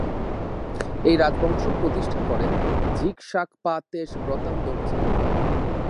এই রাজবংশ প্রতিষ্ঠা করেন ঝিগ-শাগ-পা-ত্শে-ব্র্তান-র্দো-র্জে।